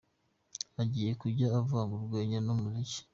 Ajyiye kujya avanga urwenya na muzika.